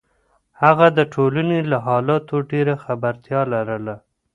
هغه د ټولنې له حالاتو ډیره خبرتیا لرله.